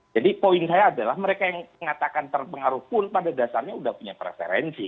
jadi poin saya adalah mereka yang mengatakan terpengaruh pun pada dasarnya sudah punya preferensi